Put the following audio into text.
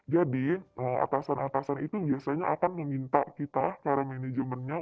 jadi atasan atasan itu biasanya akan meminta kita para manajemennya